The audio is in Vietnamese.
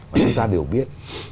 và chúng ta đều biết